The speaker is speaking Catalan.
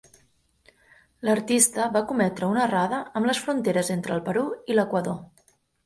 L'artista va cometre una errada amb les fronteres entre el Perú i l'Equador.